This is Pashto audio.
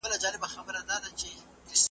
لا درته ګوري ژوري کندي .